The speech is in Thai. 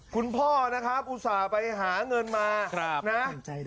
คุณพ่อนะครับอุตส่าห์ไปหาเงินมานะ